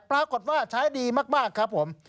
ปรากฏว่าใช้ดีมากครับผม